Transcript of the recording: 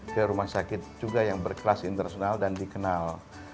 ke rumah sakit juga yang berkelas internasional dan dikenal